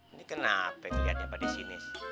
ini kenapa kelihatannya pada sini